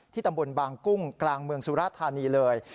ตำบลบางกุ้งกลางเมืองสุราธานีเลย